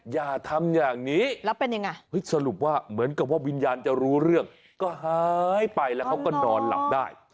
อย่าทำอย่างนี้แล้วเป็นยังไงสรุปว่าเหมือนกับว่าวิญญาณจะรู้เรื่องก็หายไปแล้วเขาก็นอนหลับได้